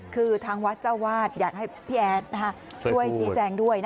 คือทางวัดเจ้าวาดอยากให้พี่แอดช่วยชี้แจงด้วย